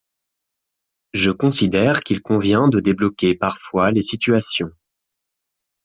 Je considère qu’il convient de débloquer parfois les situations.